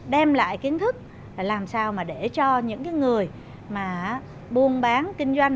đem lại kiến thức làm sao để cho những người buôn bán kinh doanh